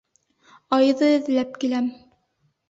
Айҙы эҙләп киләм.